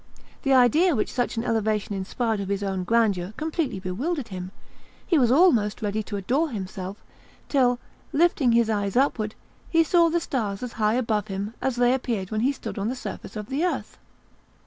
The idea which such an elevation inspired of his own grandeur completely bewildered him; he was almost ready to adore himself, till, lifting his eyes upward, he saw the stars as high above him as they appeared when he stood on the surface of the earth.